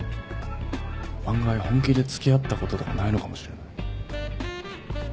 案外本気でつきあったこととかないのかもしれない。